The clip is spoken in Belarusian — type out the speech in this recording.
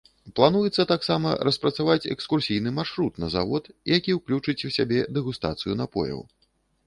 Плануецца таксама распрацаваць экскурсійны маршрут на завод, які ўключыць у сябе дэгустацыю напояў.